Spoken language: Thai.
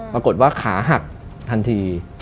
ปรากฏว่าขาหักทันที